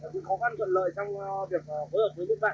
cũng có khó khăn cận lợi trong việc với các bạn